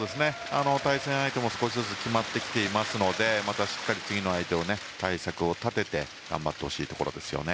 対戦相手も少しずつ決まってきていますのでまたしっかり次の相手の対策を立てて頑張ってほしいです。